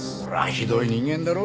ひどい人間だろ？